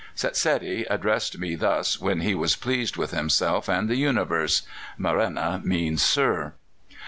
"Setsedi addressed me thus when he was pleased with himself and the universe: Marenna means sir.